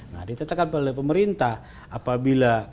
nah ditetapkan oleh pemerintah apabila